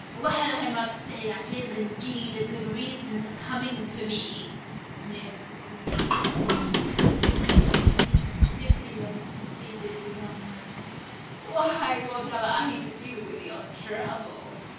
"Well, I must say that is, indeed, a good reason for com ing to me," sneered the Queen. "Do not be pitiless," pleaded the young man. " Why, what have I to do with your trouble